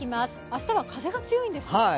明日は風が強いんですね。